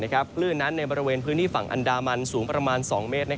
คลื่นนั้นในบริเวณพื้นที่ฝั่งอันดามันสูงประมาณ๒เมตร